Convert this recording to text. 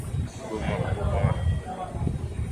Ugumu wa kupumua